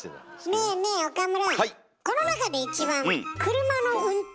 ねえねえ岡村。